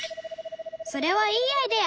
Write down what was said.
それはいいアイデア！